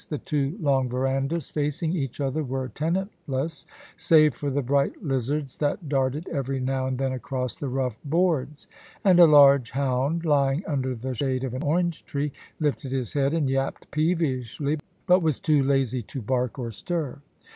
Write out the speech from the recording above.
The two long verandahs facing each other were tenantless, save for the bright lizards that darted every now and then across the rough boards ; and a large hound, lying under the shade of an orange tree, lifted his head and yapped peevishly, but was too lazy to bark or stir.